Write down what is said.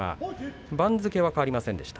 番付は変わりませんでした。